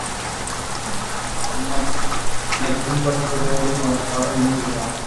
என்னைப் பின்பற்றுவோரும் அதற்காக ஏங்குகிறார்கள்.